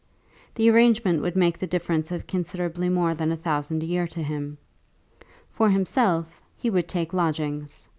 The arrangement would make the difference of considerably more than a thousand a year to him. For himself, he would take lodgings.